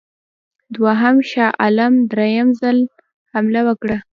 دوهم شاه عالم درېم ځل حمله وکړه.